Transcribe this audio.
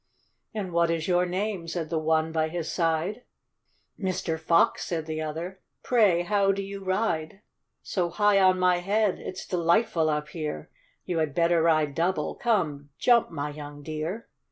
"And what is your name?" said the one by his side. "Mr. Box," said the other: "Pray, how do you ride So high on my head ?"" It's delightful up here." "You had better ride double. Come, jump, my young dear."